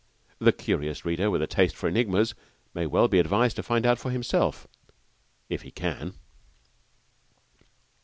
The curious reader with a taste for enigmas may be advised to find out for himself if he can.